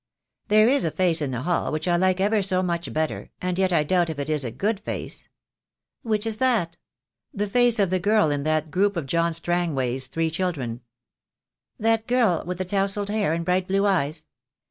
"There is a face in the hall which I like ever so much better, and yet I doubt if it is a good face." "Which is that?" "The face of the girl in that group of John Strang way's three children." "That girl with the towsled hair and bright blue eyes.